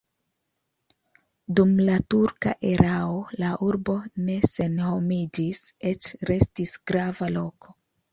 Dum la turka erao la urbo ne senhomiĝis, eĉ restis grava loko.